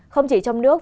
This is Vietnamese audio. không chỉ trong nước